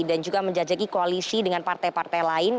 dan juga menjajaki koalisi dengan partai partai lain